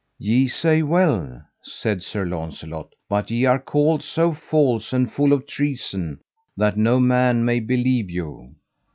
Ye say well, said Sir Launcelot, but ye are called so false and full of treason that no man may believe you.